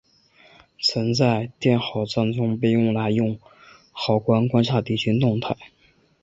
曾在堑壕战中被用来从壕沟观察敌军动态。